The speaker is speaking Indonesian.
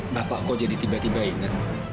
bapak kok jadi tiba tiba ingat